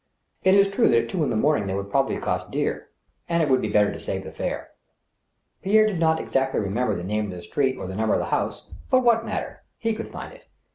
It is true that at two o'clock in the morning they would proba bly cost dear, and it would be better to save the fare. Piefre did not exactly remember the name of the street or the number of the house, but what matter ; he could find it.